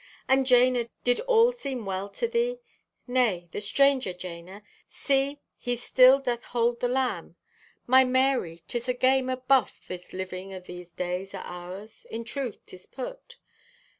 And, Jana, did all seem well to thee? Nay, the Stranger, Jana! See, he still doth hold the lamb! 'My Marye, 'tis a game o' buff, this living o' these days o' ours.' In truth, 'tis put.